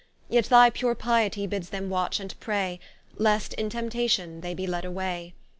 Yet thy pure Pietie bids them Watch and Pray, Lest in Temptation they be led away.